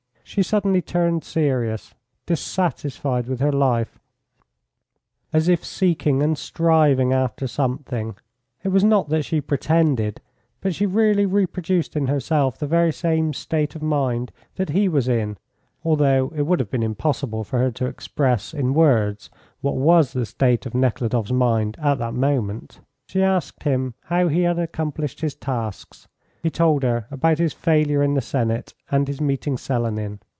She suddenly turned serious, dissatisfied with her life, as if seeking and striving after something; it was not that she pretended, but she really reproduced in herself the very same state of mind that he was in, although it would have been impossible for her to express in words what was the state of Nekhludoff's mind at that moment. She asked him how he had accomplished his tasks. He told her about his failure in the Senate and his meeting Selenin.